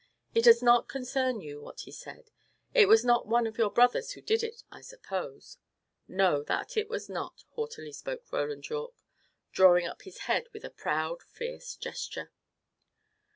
"It does not concern you, what he said. It was not one of your brothers who did it, I suppose?" "No, that it was not," haughtily spoke Roland Yorke, drawing up his head with a proud, fierce gesture.